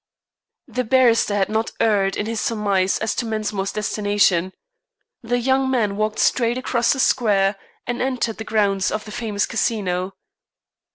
The barrister had not erred in his surmise as to Mensmore's destination. The young man walked straight across the square and entered the grounds of the famous Casino.